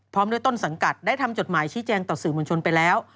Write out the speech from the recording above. พร้อมด้วยต้นสังกัดได้ทำจดหมายชี้แจงต่อสื่อมวลชนไปแล้ว